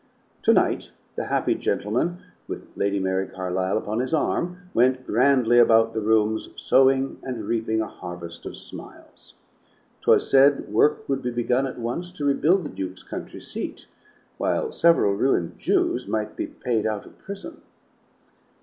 To night, the happy gentleman, with Lady Mary Carlisle upon his arm, went grandly about the rooms, sowing and reaping a harvest of smiles. 'Twas said work would be begun at once to rebuild the Duke's country seat, while several ruined Jews might be paid out of prison.